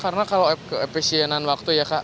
karena kalau ke efisienan waktu ya kak